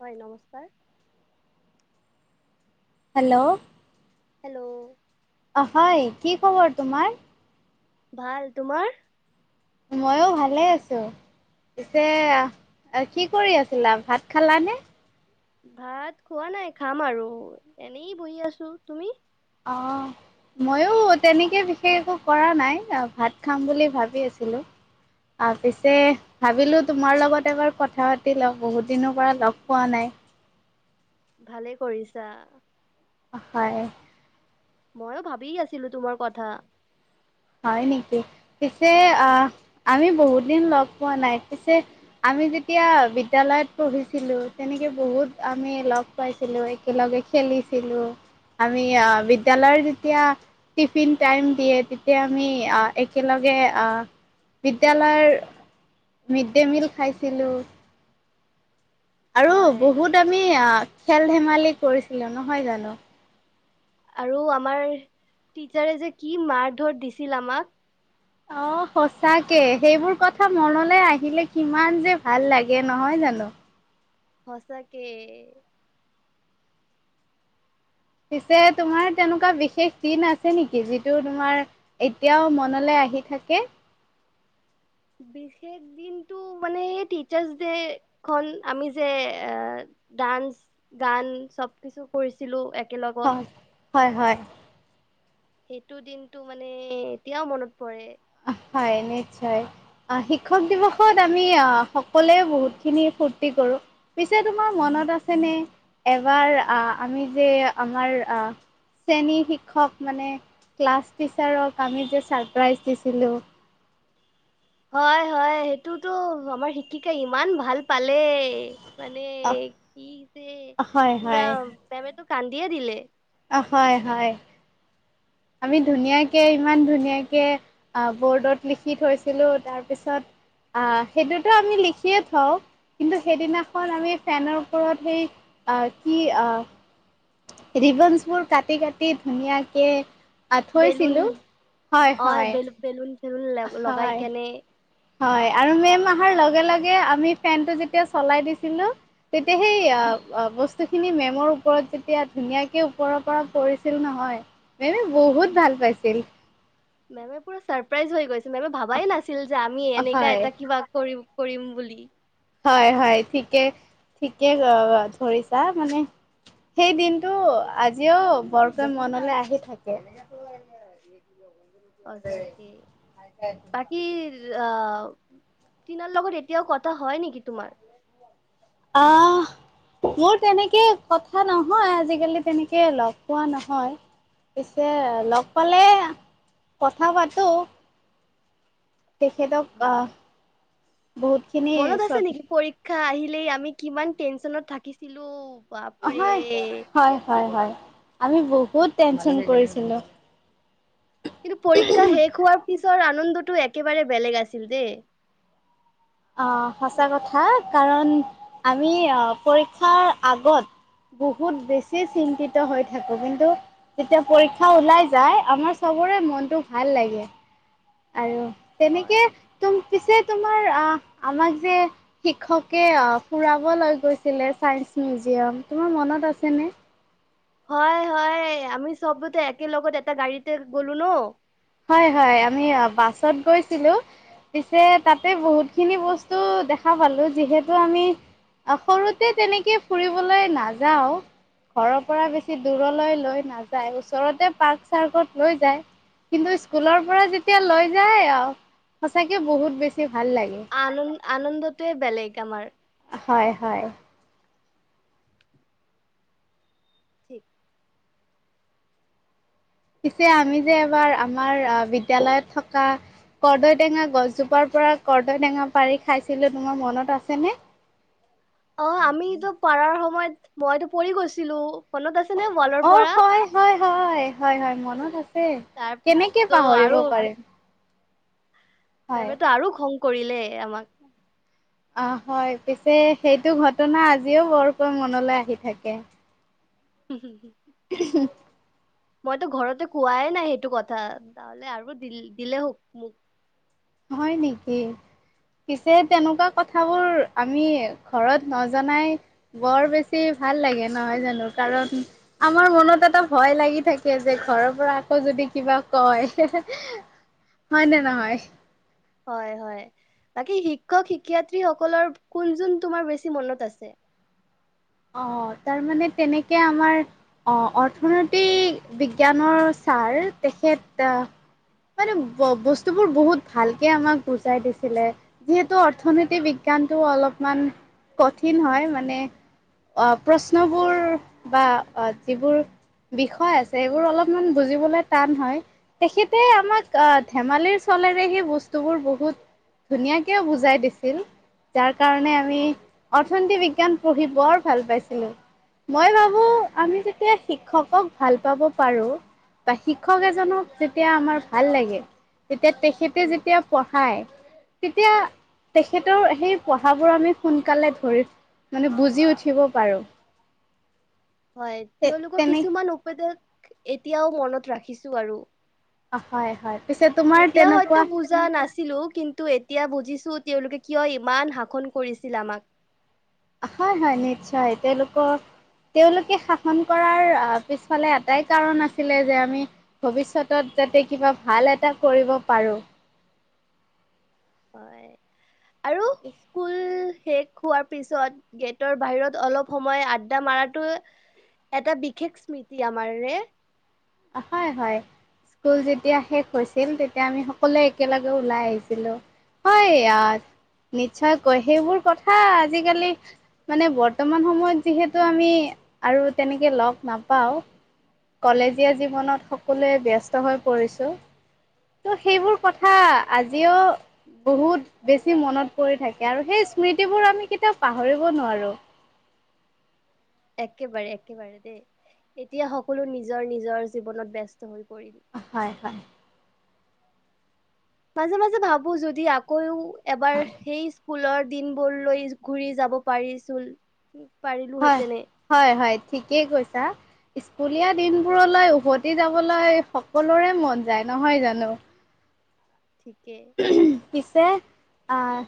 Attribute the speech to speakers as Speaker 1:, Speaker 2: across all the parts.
Speaker 1: হয়, নমস্কাৰ।
Speaker 2: Hello?
Speaker 1: Hello!
Speaker 2: হয় কি খবৰ তোমাৰ?
Speaker 1: ভাল, তোমাৰ?
Speaker 2: ময়ো ভালে আছো। পিছে কি কৰি আছিলা ভাত খালানে?
Speaker 1: ভাত খোৱা নাই খাম আৰু এনেই বহি আছো, তুমি?
Speaker 2: অ
Speaker 1: [inaudible]
Speaker 2: ময়ো তেনেকে বিশেষ একো কৰা নাই ভাত খাম বুলি ভাবি আছিলো। অ পিছে ভাবিলো তোমাৰ লগত এবাৰ কথা পাতি লও বহুত দিনৰ পৰা লগ পোৱা নাই।
Speaker 1: ভালে কৰিছা।
Speaker 2: হয়।
Speaker 1: ময়ো ভাবিয়ে আছিলো তোমাৰ কথা।
Speaker 2: হয় নেকি, পিছে অ আমি বহুত দিন লগ পোৱা নাই পিছে আমি যেতিয়া বিদ্যালয়ত পঢ়িছিলো তেনেকে বহুত বহুত আমি লগ পাইছিলো একেলগে খেলিছিলো। আমি বিদ্যালয়ৰ যেতিয়া টিফিন টাইম দিয়ে তেতিয়া আমি আহ একেলগে আহ বিদ্যালয়ৰ মিড ডে মিল খাইছিলোঁ। আৰু
Speaker 1: হয়
Speaker 2: বহুত আমি খেল ধেমালি কৰিছিলো নহয় জানো?
Speaker 1: আৰু আমাৰ টিচাৰে যে কি মাৰ ধৰ দিছিল আমাক।
Speaker 2: অ সচাকে সেইবোৰ কথা মনলে আহিলে কিমান যে ভাল লাগে নহয়। [unintelligible]
Speaker 1: সচকে।
Speaker 2: পিছে তোমাৰ তেনেকুৱা বিশেষ দিন আছে নেকি, যিটো তোমাৰ এতিয়াও মনলৈ আ আহি থাকে?
Speaker 1: বিশেষ দিনটো মানে সেই টিচাৰ্ছ দেইখন, আমি যে এ ডান্স, গান, চব কিছু কৰিছিলোঁ, এক
Speaker 2: হয়, হয় হয়।
Speaker 1: সেইটো দিনটো মানে, এতিয়াও মনত পৰে।
Speaker 2: হয়, নিশ্চয়। আ-শিক্ষক দিৱসত আমি আ-সকলোৱে বহুত খিনি ফূৰ্তি কৰো, পিছে তোমাৰ মন নত আছে নে, এবাৰ আমি যে আমাৰ আ শ্ৰেণী শিক্ষক মানে ক্লাছ টিচাৰক আমি যে ছাৰপ্ৰাইজ দিছিলোঁ?
Speaker 1: হয় হয়, সেইটোতো আমাৰ শিক্ষিকাই ইমান ভাল পালে, মানে
Speaker 2: অ,
Speaker 1: কি যে,
Speaker 2: হয়
Speaker 1: পুৰা,
Speaker 2: হয়
Speaker 1: মেমেতো কান্দিয়ে দিলে।
Speaker 2: অ' হয় হয়। আমি ধুনীয়াকে ইমান ধুনীয়াকে ব'ৰ্ডত লিখি থৈছিলোঁ, তাৰপিছত আ-সেইটোতো আমি লিখিয়ে থওঁ, কিন্তু সেইদিনাখন আমি ফেনৰ ওপৰত সেই আ-কি আ, ৰিবনচবোৰ কাটি কাটি ধুনীয়াকে
Speaker 1: বেলুন
Speaker 2: আ-থৈছিলোঁ, হয় হয়।
Speaker 1: বুল লগ-লগাই
Speaker 2: হয়
Speaker 1: কেনে
Speaker 2: হয়, আৰু মেম
Speaker 1: তা-
Speaker 2: অহাৰ লগে লগে আমি ফেনটো যেতিয়া চলাই দিছিলোঁ তেতিয়া সেই আ-আ বচ স্তু খিনি মেমৰ ওপৰত যেতিয়া ধুনীয়াকে ওপৰৰ পৰা পৰিছিল নহয় মেমে বহুত ভাল পাইছিল।
Speaker 1: মেমে পুৰা চাৰপ্ৰাইজ হৈ গৈছিল, মেমে ভাৱাই নাছিল যে আমি এনেকা
Speaker 2: হয়
Speaker 1: এটা কিবা কৰিম। কৰিম বুলি।
Speaker 2: হয়, হয় ঠিকে, ঠিকে আ, আ কৰিছা মানে সেই দিনটো আজিও বৰকৈ মনলৈ আহি থাকে। [unintelligible]
Speaker 1: সঁচাকে বাকি আহ টিণাৰ লগত এতিয়াও কথা হয় নেকি তোমাৰ?
Speaker 2: আহ মোৰ তেনেকে কথা নহয়। আজিকালি তেনেকে লগ পোৱা নহয়। পিছে লগ পালে, কথা পাতোঁ।
Speaker 1: হয়,
Speaker 2: বহুতখিনি
Speaker 1: মনত আছে
Speaker 2: শ্ৰদ্ধা
Speaker 1: নেকি পৰীক্ষা আহিলে লে আমি কিমান টেনচনত থাকিছিলোঁ।
Speaker 2: হয়, হয়, হয়, হয়। আমি বহুত টেনচন কৰিছিলোঁ।
Speaker 1: কিন্তু, পৰীক্ষা শেষ হোৱাৰ পিছৰ আনন্দটো একেবাৰে বেলেগ আছিল দেই।
Speaker 2: আহ সঁচা কথা কাৰণ আমি আহ পৰীক্ষাৰ আগত বহুত বেছি চিন্তিত হৈ থাকোঁ। কিন্তু, তেতিয়া পৰীক্ষা ওলায় যায়। আমাৰ চবৰে মনটো ভাল লাগে। আৰু
Speaker 1: হয়।
Speaker 2: তেনেকে তুম পিছে তোমাৰ আহ আমাক যে শিক্ষকে আহ ফুৰাব লৈ গৈছিলে চাইন্স মিউজিয়াম তোমাৰ মনত আছেনে?
Speaker 1: হয়, হয়। আমি চবতে একেলগতে এটা গাড়ীতে গলোঁ ন
Speaker 2: হয়, হয়। আমি বাছত গৈছিলোঁ। পিছে তাতে বহুত খিনি বস্তু দেখা পালোঁ। যিহেতু আমি আহ সৰুতে তেনেকে ফুৰিবলৈ নাযাওঁ। ঘৰৰ পৰা বেছি দূৰলৈ লৈ নাযায় ওচৰতে পাৰ্ক চাৰ্কত লৈ যায়। কিন্তু স্কুলৰ পৰা যেতিয়া লৈ যায় আহ সঁচাকে বহুত বেছি ভাল লাগে।
Speaker 1: আনন আনন্দটোৱে বেলেগ আমাৰ।
Speaker 2: হয়, হয়।
Speaker 1: ঠিক
Speaker 2: পিছে আমি যে এবাৰ আমাৰ আহ বিদ্যালয়ত থকা কৰ্দৈ টেঙা গছজোপাৰ পৰা কৰ্দৈটেঙা পাৰি খাইছিলোঁ তোমাৰ মনত আছেনে?
Speaker 1: অ' আমিতো পাৰাৰ সময়ত মইতো পৰি গৈছিলোঁ।
Speaker 2: অ' হয়, হয়, হয়, হয়, হয় মনত আছে।
Speaker 1: তাৰ
Speaker 2: কেনেকে
Speaker 1: পিছততো
Speaker 2: পাহৰিব পাৰে।
Speaker 1: মেমে টো আৰু খং কৰিলে আমাক।
Speaker 2: আহ হয়। পিছে, সেইটো ঘটনা আজিও বৰকৈ মনলৈ আহি থাকে।
Speaker 1: উম, হ'ম হ'ম।
Speaker 2: [unintelligible]
Speaker 1: মইতো ঘৰতে খোৱাই নাই সেইটো কথা তহলে আৰু দ দিলে হওঁক মোক
Speaker 2: হয় নেকি। পিছে তেনেকুৱা কথাবোৰ আমি ঘৰত নজনাই বৰ বেছি ভাল লাগে নহয় জানোঁ, কাৰণ আমাৰ মনত এটা ভয় লাগি থাকে যে ঘৰৰ পৰা আকৌ যদি কিবা কয়, হয় নে নহয়।
Speaker 1: হয়, হয় বাকী শিক্ষক শিক্ষয়ত্ৰী সকলৰ কোন যোন তোমাৰ বেছি মনত আছে।
Speaker 2: অ', তাৰমানে তেনেকে আমাৰ অ', অৰ্থনৈতিক বিজ্ঞানৰ ছাৰ তেখেত মানে বস্তুবোৰ বহুত ভালকে আমাক বুজাই দিছিলে যিহেতু অৰ্থনীতি বিজ্ঞান গানটো অলপমান কঠিন হয় মানে অ', প্ৰশ্নবোৰ বা যিবোৰ বিষয় আছে সেবোৰ অলপমান বুজিবলে টান হয়। তেখেতে আমাক আহ ধেমালিৰ চলেৰে সেই বস্তুবোৰ বহুত ধুনীয়াকে বুজাই দিছিল যাৰ কাৰণে আমি অৰ্থনীতি বিজ্ঞান পঢ়ি বৰ ভাল পাইছিলোঁ। মই ভাবোঁ আমি যেতিয়া শিক্ষকক ভাল পাব পাৰোঁ। বা শিক্ষক এজনক যেতিয়া আমাৰ ভাল লাগে তেতিয়া তেখেতে
Speaker 1: উম।
Speaker 2: যেতিয়া পঢ়ায় তেতিয়া তেখেতৰ সেই পঢ়াবোৰ আমি সোনকালে ধৰি মানে বুজ জি উঠিব পাৰোঁ।
Speaker 1: হয় তেওঁলোকৰ কিছুমান উপদেশ এতিয়াও মনত ৰাখিছো আৰু।
Speaker 2: অ হয় হয় পিছে তোমাৰ তেনেকুৱা
Speaker 1: ছিলো কিন্তু এতিয়া বুজিছো তেওঁলোকে কিয় ইমান শাসন কৰিছিল আমাক।
Speaker 2: হয় হয় নিশ্চয় তেওঁলোকৰ তেওঁলোকে শাসন কৰাৰ পিছফালে এটাই কাৰণ আছিলে যে আমি ভৱিষ্যতত যাতে কিবা ভাল এটা কৰিব পাৰো।
Speaker 1: হয় আৰু স্কুল শেষ হোৱাৰ পিছত গেটৰ বাহিৰত অলপ সময় আড্ডা মাৰাটো এটা বিশেষ স্মৃতি আমাৰ ৰে।
Speaker 2: হয় হয়। স্কুল যেতিয়া শেষ হৈছিল তেতিয়া আমি সকলোৱে একেলগে ওলাই আহিছিলো। হয় ইয়াত নিশ্চয় কয় সেইবোৰ কথা আজিকালি মানে বৰ্তমান সময়ত যিহেতু আমি আৰু তেনেকে লগ নাপাওঁ। কলেজীয়া জীৱনত সকলোৱে ব্যস্ত হৈ পৰিছোঁ। ত' সেইবোৰ কথা আজিও বহুত বেছি মনত পৰি থাকে আৰু সেই স্মৃতিবোৰ আমি কেতিয়াও পাহৰিব নোৱাৰো।
Speaker 1: [inaudible] একেবাৰে একেবাৰে দেই এতিয়া সকলো নিজৰ নিজৰ জীৱনত ব্যস্ত হৈ পৰিল।
Speaker 2: হয় হয়।
Speaker 1: মাজে মাজে ভাবো যদি আকৌও এবাৰ সেই- স্কুলৰ দিনবোৰ লৈ ঘুৰি যাব পাৰিছিলো
Speaker 2: হয়,
Speaker 1: পাৰিলোহেতেনে
Speaker 2: হয়, হয় ঠিকেই কৈছা। স্কুলীয়া দিনবোৰলৈ উভতি যাবলৈ সকলোৰে মন যায় নহয় জানো?
Speaker 1: ঠিকে
Speaker 2: পিছে আহ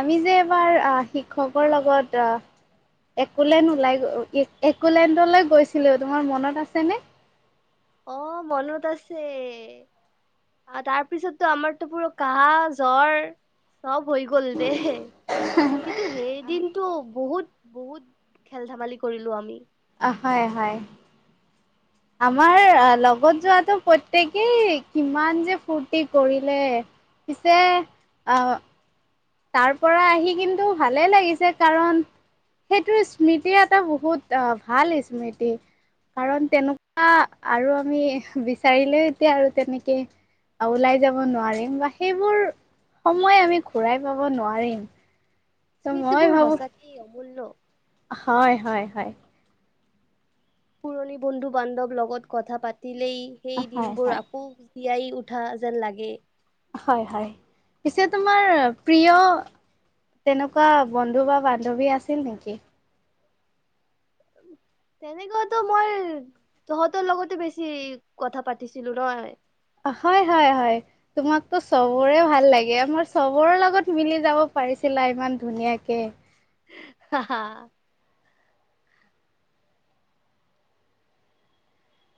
Speaker 2: আমি যে এবাৰ আহ শিক্ষকৰ লগত আহ একোলেণ্ড ওলাই গ একোলেণ্ডলৈ গৈছিলো তোমাৰ মনত আছেনে?
Speaker 1: অ মনত আছে। অ তাৰপিছতো আমাৰতো পুৰৰা কাহ জ্বৰ চব হৈ গ'ল দে কিন্তু সেইদিনটো বহুত বহুত খেল ধেমালি কৰিলো আমি।
Speaker 2: অ হয়, হয়। আমাৰ আ লগত যোৱাটো প্ৰত্যেকেই কিমান যে ফুৰ্তি কৰিলে। পিছে অ তাৰ পৰা আহি কিন্তু ভালে লাগিছে কাৰণ সেইটো স্মৃতিৰ এটা বহুত আহ ভাল স্মৃতি। কাৰণ তেনেকুৱা আৰু আমি বিচাৰিলেও এতিয়া আৰু তেনেকে ওলাই যাব নোৱাৰিম বা সেইবোৰ সময় আমি ঘূৰাই পাব নোৱাৰিম। ত' মই
Speaker 1: স্মৃতিবোৰ
Speaker 2: ভাবো
Speaker 1: সঁচাকেই অমূল্য।
Speaker 2: হয়, হয়, হয়।
Speaker 1: পুৰণি বন্ধু-বান্ধৱ লগত কথা পাতিলেই সেই
Speaker 2: হয়
Speaker 1: দিনবোৰ
Speaker 2: হয়
Speaker 1: আকৌ জীয়াই উঠা যেন লাগে।
Speaker 2: হয়, হয়। পিছে তোমাৰ প্ৰিয় তেনেকুৱা বন্ধু বা বান্ধৱী আছিল নেকি?
Speaker 1: তেনেকুৱাতো মই তহঁতৰ লগতো বেছি কথা পাতিছিলোঁ নহয়।
Speaker 2: হয়, হয়, হয়। তোমাকতো চবৰে ভাল লাগে আমাৰ চবৰে লগত মিলি যাব পাৰিছিলা ইমান ধুনীয়াকৈ।
Speaker 1: [unintelligible]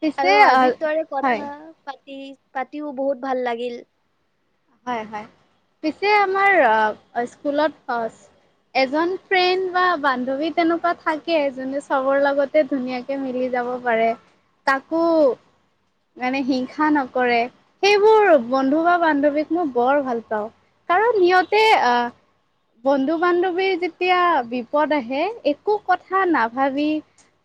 Speaker 2: পিছে
Speaker 1: আৰু
Speaker 2: আহ,
Speaker 1: আজি তোৰ
Speaker 2: হয়
Speaker 1: কথা পাতি পাতিও বহুত ভাল লাগিল।
Speaker 2: হয়, হয়। পিছে আমাৰ অ স্কুলত অ এজন ফ্ৰেণ্ড বা বান্ধৱী তেনেকুৱা থাকে, যোনে চবৰ লগতে ধুনীয়াকে মিলি যাব পাৰে, কাকো- মানে হিংসা নকৰে, সেইবোৰ বন্ধু বা বান্ধৱী মই বৰ ভাল পাওঁ, কাৰণ সিহঁতে আহ বন্ধু বান্ধৱীৰ যেতিয়া বিপদ আহে একো কথা নাভাবি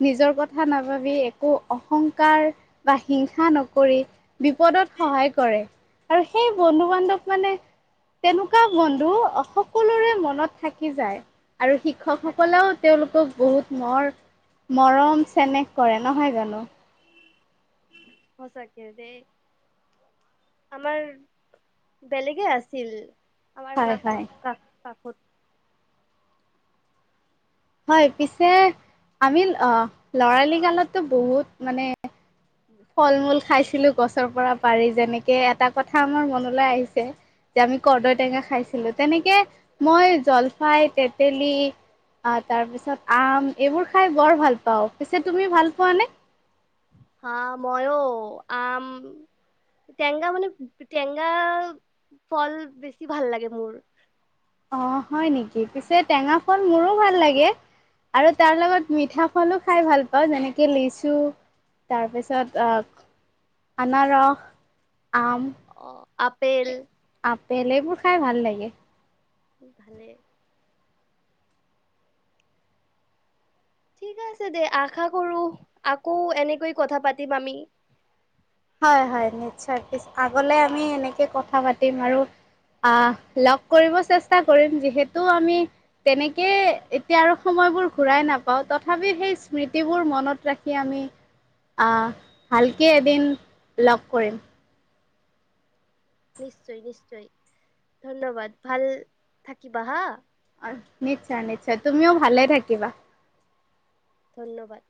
Speaker 2: নিজৰ কথা নাভাবি একো অহংকাৰ বা হিংসা নকৰি বিপদত সহায় কৰে আৰু সেই বন্ধু বান্ধৱ মানে তেনেকুৱা বন্ধু অ সকলোৰে মনত থাকি যায়। আৰু
Speaker 1: থাক
Speaker 2: শিক্ষকসকলেও তেওঁলোকক বহুত মৰ মৰম চেনেহ কৰে নহয় জানোঁ?
Speaker 1: সঁচাকে দেই। আমাৰ বেলেগে আছিল। আমাৰ
Speaker 2: হয়
Speaker 1: ক্লাক ঘৰ
Speaker 2: হয়
Speaker 1: ক্লা কাষত
Speaker 2: হয় পিছে আমি আহ লৰালি কালতো বহুত মানে ফল-মূল খাইছিলোঁ গছৰ পৰা পাৰি। যেনেকে এটা কথা মোৰ মনলৈ আহিছে যে আমি কৰদৈ টেঙা খাইছিলোঁ। তেনেকে মই জলফাই, তেতেলী অ', তাৰ পিছত আম এইবোৰ খাই বৰ ভাল পাওঁ। পিছে তুমি ভাল পোৱানে?
Speaker 1: হা ময়ো আম টেঙা মানে টেঙা ফল বেছি ভাল লাগে মোৰ।
Speaker 2: অ', হয় নেকি? পিছে টেঙা ফল মোৰো ভাল লাগে। আৰু তাৰ লগত মিঠা ফলো খাই ভাল পাওঁ। যেনেকে লিচু তাৰপিছত আনাৰস আম
Speaker 1: অ', আপেল।
Speaker 2: বেলেগবোৰ খাই ভাল লাগে।
Speaker 1: ভালে। ঠিক আছে দে আশা কৰোঁ, আকৌ এনেকৈ কথা পাতিম আমি।
Speaker 2: হয়-হয় নিশ্চয়। পিছ আগলৈ আমি এনেকে কথা পাতিম আৰু আহ লগ কৰিব চেষ্টা কৰিম। যিহেতু আমি তেনেকে এতিয়া আৰু সময় সময়বোৰ ঘূৰাই নাপাওঁ, তথাপি সেই স্মৃতিবোৰ মনত ৰাখি আমি আহ ভালকে এদিন লগ কৰিম।
Speaker 1: নিশ্চয়- নিশ্চয় ধন্যবাদ ভাল থাকিবা হা।
Speaker 2: নিশ্চয়- নিশ্চয় তুমিও ভালে থাকিবা।
Speaker 1: ধন্যবাদ।